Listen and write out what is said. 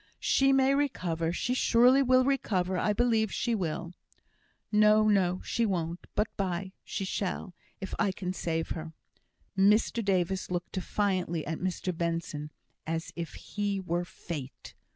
"She may recover. She surely will recover. I believe she will." "No, no! she won't. But by she shall, if I can save her." Mr Davis looked defiantly at Mr Benson, as if he were Fate.